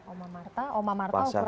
umar marta umar marta ukuran sepatunya